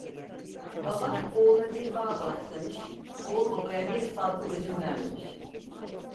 Baba oğluna bir bağ bağışlamış, oğul babaya bir salkım üzüm vermemiş.